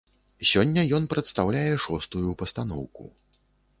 Сёння ён прадстаўляе шостую пастаноўку.